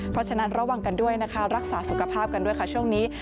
เพราะฉะนั้นระวังกันด้วยนะคะรักษาสุขภาพกันด้วยค่ะช่วงนี้